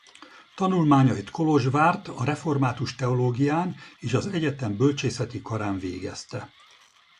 Tanulmányait Kolozsvárt a református teológián és az egyetem bölcsészeti karán végezte.